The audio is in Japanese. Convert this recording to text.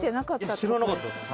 いや知らなかったです